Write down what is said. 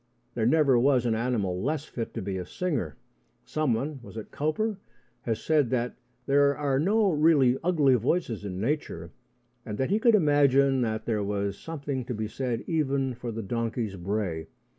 There never was an animal less fit to be a singer. Someone was it Cowper? has said that there are no really ugly voices in nature, and that he could imagine that there was something to be said even for the donkey's bray.